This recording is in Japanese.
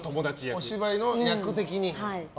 お芝居の役的に。